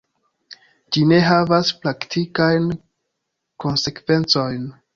Ĝi ne havas praktikajn konsekvencojn.